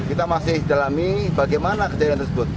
kita masih dalami bagaimana kejadian tersebut